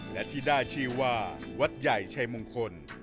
และที่ได้ชื่อว่าวัดใหญ่ชัยมงคล